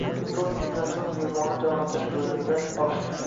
To‘rt kundan so‘ng bemorni jonlantirish bo‘limidan olishdi.